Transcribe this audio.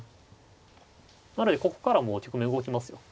なのでここからはもう局面動きますよ。